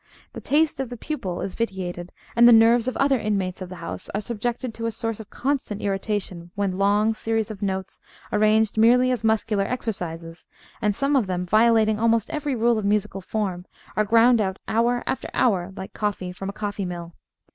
The taste of the pupil is vitiated, and the nerves of other inmates of the house are subjected to a source of constant irritation when long series of notes, arranged merely as muscular exercises, and some of them violating almost every rule of musical form, are ground out hour after hour like coffee from a coffee mill.